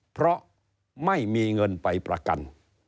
เพราะไม่มีเงินไปประกัน